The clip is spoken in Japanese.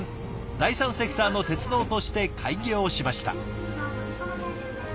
第三セクターの鉄道として開業しました。